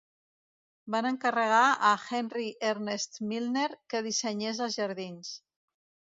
Va encarregar a Henry Ernest Milner que dissenyés els jardins.